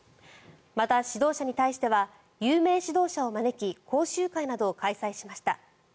また指導者に対しては有名指導者を招き講習会などを開催しました。